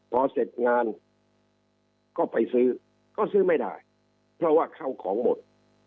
พอเสร็จงานก็ไปซื้อก็ซื้อไม่ได้เพราะว่าเข้าของหมด